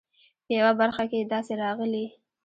په یوه برخه کې یې داسې راغلي.